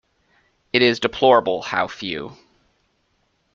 It is deplorable how few.